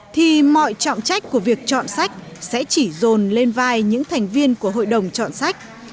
thì mọi trọng trách của việc chọn sách sẽ chỉ rồn lên vai những thành viên của hội đồng chọn sách